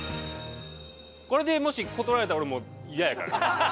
これでもし断られたら俺もう嫌やからね。